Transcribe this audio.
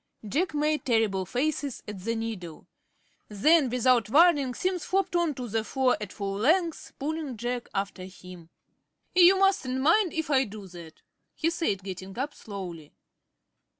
Jack made terrible faces at the needle. Then, without warning, Simms flopped on to the floor at full length, pulling Jack after him. "You mustn't mind if I do that," he said, getting up slowly.